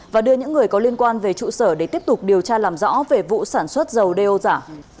và đưa những người có liên quan về trụ sở để tiếp tục điều tra làm rõ về vụ sản xuất dầu đeo giả